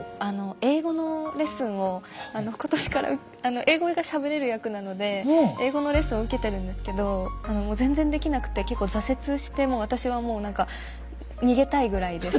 英語のレッスンを今年から英語がしゃべれる役なので英語のレッスンを受けてるんですけどもう全然できなくて結構挫折してもう私はもう逃げたいぐらいです